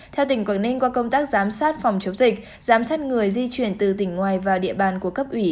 theo tỉnh quảng ninh qua công tác giám sát phòng chống dịch giám sát người di chuyển từ tỉnh ngoài vào địa bàn của cấp ủy